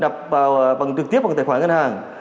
bằng trực tiếp vào tài khoản ngân hàng